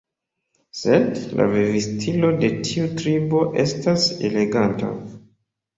Sed la vivstilo de tiu tribo estas eleganta.